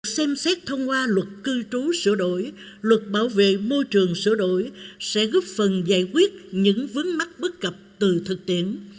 xem xét thông qua luật cư trú sửa đổi luật bảo vệ môi trường sửa đổi sẽ góp phần giải quyết những vấn mắc bất cập từ thực tiễn